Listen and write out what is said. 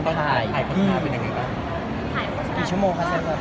ก็คือเราอยากให้งานที่มันไม่เหมือนงานนะคะ